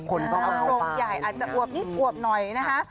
กรงใหญ่อาจจะอวบนิดอวบหน่อยนะคะ